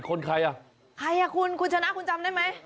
ใครอ่ะคุณคุณชนะคุณจำได้ไหม